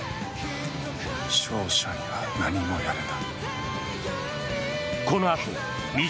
勝者には何もやるな。